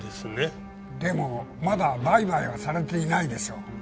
でもまだ売買はされていないでしょう？